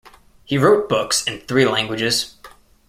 He wrote books in three languages.